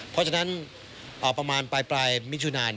เพราะฉะนั้นประมาณปลายมิถุนา